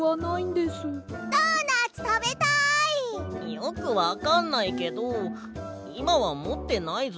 よくわかんないけどいまはもってないぞ。